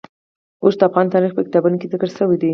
اوښ د افغان تاریخ په کتابونو کې ذکر شوی دی.